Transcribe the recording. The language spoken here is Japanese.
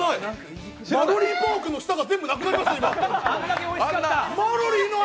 マロリーポークの舌が全部なくなりましたよ。